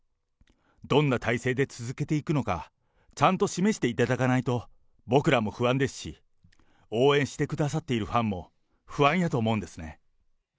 どんな体制で続けていくのか、ちゃんと示していただかないと、僕らも不安ですし、応援してくださっているファンも不安やと思うんですね。